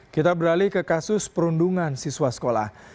kita beralih ke kasus perundungan siswa sekolah